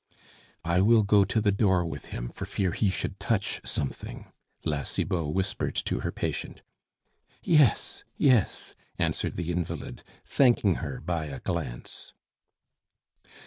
"I will go to the door with him, for fear he should touch something," La Cibot whispered to her patient. "Yes, yes," answered the invalid, thanking her by a glance.